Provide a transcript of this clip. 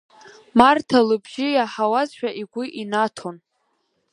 Марҭа лыбжьы иаҳауазшәа игәы инаҭон…